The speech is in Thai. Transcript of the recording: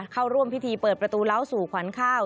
เข้าร่วมพิธีเปิดประตูเล้าสู่ขวัญข้าว